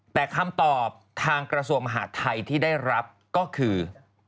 แต่คำตอบทางกระทรวงมหาดไทยที่ได้รับก็คือ